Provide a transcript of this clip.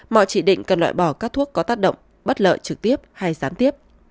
mọi chỉ định cần loại bỏ các thuốc có tác động bất lợi trực tiếp hay gián tiếp